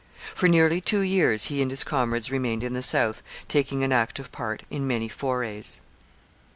For nearly two years he and his comrades remained in the south, taking an active part in many forays.